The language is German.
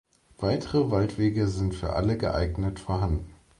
Weitere Waldwege sind für alle Geeignet vorhanden.